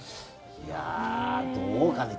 いや、どうかね。